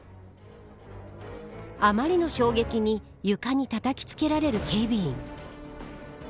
あまりの衝撃に床にたたきつけられる警備員。